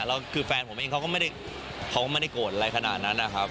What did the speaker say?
แล้วคือแฟนผมเองเขาก็ไม่ได้โกรธอะไรขนาดนั้นนะครับ